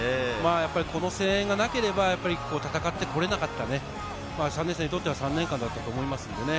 この声援がなければ戦って来れなかった３年生にとっては３年間だったと思います。